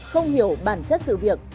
không hiểu bản chất sự việc